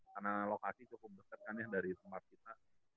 karena lokasi cukup besar kan ya dari tempat kita